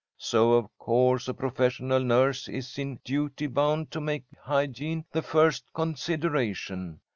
So of course a professional nurse is in duty bound to make hygiene the first consideration.